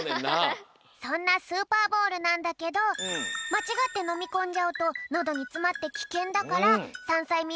そんなスーパーボールなんだけどまちがってのみこんじゃうとのどにつまってきけんだから３さいみ